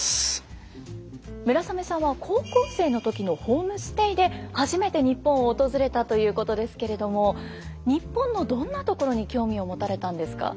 村雨さんは高校生の時のホームステイで初めて日本を訪れたということですけれども日本のどんなところに興味を持たれたんですか？